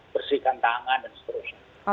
bersihkan tangan dan seterusnya